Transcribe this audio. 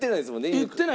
言ってない。